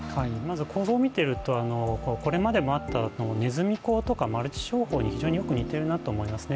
構造を見てみると、これまでもあったネズミ講とかマルチ商法に非常によく似ているなと思いますね。